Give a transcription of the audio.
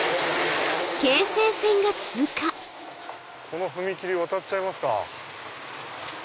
この踏切渡っちゃいますか。